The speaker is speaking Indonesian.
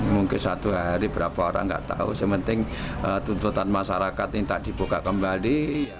mungkin satu hari beberapa orang tidak tahu sementara tuntutan masyarakat ini tidak dibuka kembali